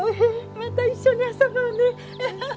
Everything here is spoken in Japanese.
また一緒に遊ぼうねアハハ。